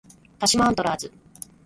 鹿島アントラーズ